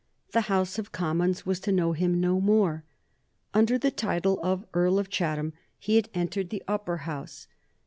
The House of Commons was to know him no more. Under the title of Earl of Chatham he had entered the Upper House.